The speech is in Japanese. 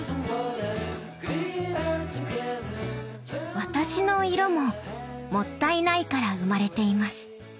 私の色ももったいないから生まれています。